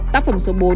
tác phẩm số bốn